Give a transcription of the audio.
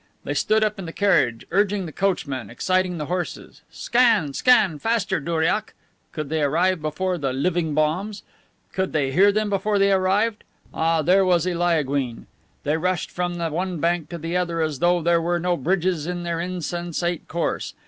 They stood up in the carriage, urging the coachman, exciting the horses: "Scan! Scan! Faster, douriak!" Could they arrive before the "living bombs"? Could they hear them before they arrived? Ah, there was Eliaguine! They rushed from the one bank to the other as though there were no bridges in their insensate course.